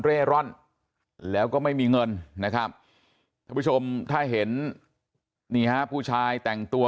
เร่ร่อนแล้วก็ไม่มีเงินนะครับถ้าเห็นผู้ชายแต่งตัว